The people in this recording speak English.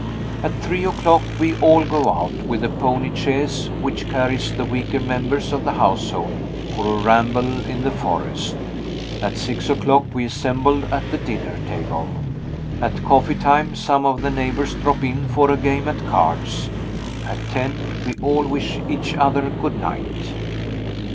At three o'clock we all go out with a pony chaise which carries the weaker members of the household for a ramble in the forest. At six o'clock we assemble at the dinner table. At coffee time, some of the neighbors drop in for a game at cards. At ten, we all wish each other good night.